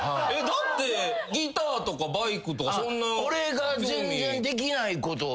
だってギターとかバイクとかそんな興味。